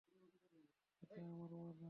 এটা আমার ওয়াদা।